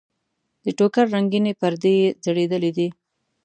د ټوکر رنګینې پردې یې ځړېدلې دي.